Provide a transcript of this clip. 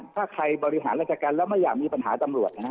ถ้าใครบริหารราชการแล้วไม่อยากมีปัญหาตำรวจนะฮะ